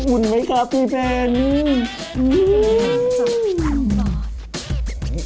อุ่นไม่ครับพี่เพ็ญ